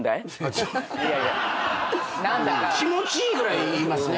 気持ちいいぐらい言いますね。